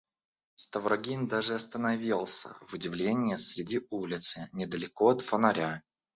Ставрогин даже остановился в удивлении среди улицы, недалеко от фонаря.